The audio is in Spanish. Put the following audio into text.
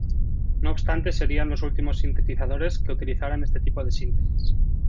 No obstante, serían los últimos sintetizadores que utilizaran este tipo de síntesis.